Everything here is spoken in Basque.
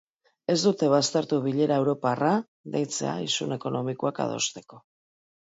Ez dute baztertu bilera europarra deitzea isun ekonomikoak adosteko.